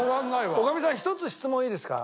女将さん一つ質問いいですか？